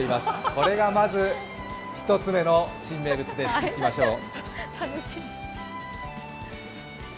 これがまず、１つ目の新名物です、行きましょう。